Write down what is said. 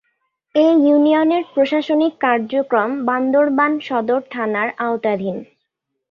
এ ইউনিয়নের প্রশাসনিক কার্যক্রম বান্দরবান সদর থানার আওতাধীন।